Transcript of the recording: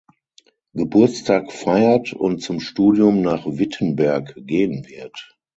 Geburtstag feiert und zum Studium nach Wittenberg gehen wird.